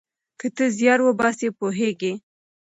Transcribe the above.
که ته زیار وباسې پوهیږې.